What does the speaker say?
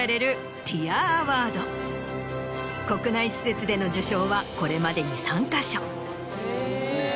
国内施設での受賞はこれまでに３か所。